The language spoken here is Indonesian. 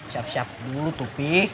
siap siap dulu tupi